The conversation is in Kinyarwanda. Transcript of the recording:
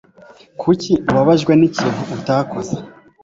Kuki ubabajwe n'ikintu utakoze